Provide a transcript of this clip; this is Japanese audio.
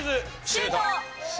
シュート！